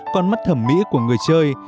còn mắt thẩm mỹ của người chơi